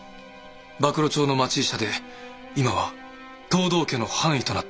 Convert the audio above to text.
馬喰町の町医者で今は藤堂家の藩医となっております。